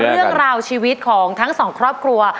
แต่ว่าเรื่องราวชีวิตทั้งสองครอบครัว